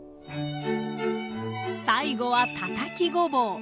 最後はたたきごぼう。